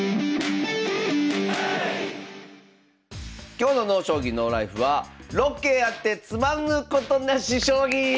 今日の「ＮＯ将棋ＮＯＬＩＦＥ」は「６桂あって詰まぬことなし将棋」！